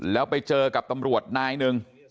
แล้วไปเจอกับตำรวจนายหนึ่ง